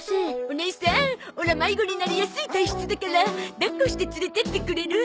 おねいさんオラ迷子になりやすい体質だから抱っこして連れてってくれる？